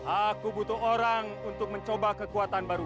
aku butuh orang untuk mencoba kekuatan baru